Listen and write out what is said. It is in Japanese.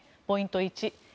ポイント